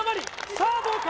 さあどうか？